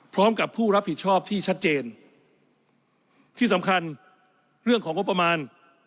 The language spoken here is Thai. พร้อมกับผู้รับผิดชอบที่ชัดเจนที่สำคัญเรื่องของงบประมาณ